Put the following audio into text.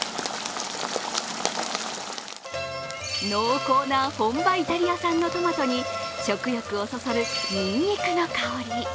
濃厚な本場イタリア産のトマトに食欲をそそるにんにくの香り。